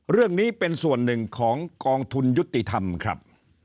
เรื่องนี้เป็นส่วนหนึ่งของกองทุนยุติธรรมครับ